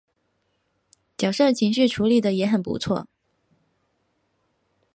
角色情绪处理的也很不错